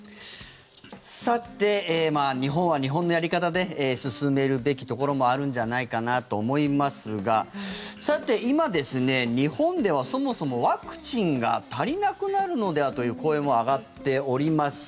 さて日本は日本のやり方で進めるべきところもあるんじゃないかなと思いますが今ですね、日本ではそもそもワクチンが足りなくなるのではという声も上がっております。